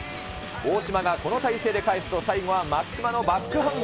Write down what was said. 大島がこの体勢で返すと、最後は松島のバックハンド。